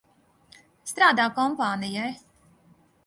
Strādā kompānijai.